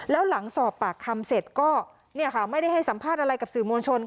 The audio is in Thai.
แล้วหลังสอบปากคำเสร็จก็ไม่ได้ให้สัมภาษณ์อะไรกับสื่อมวลชน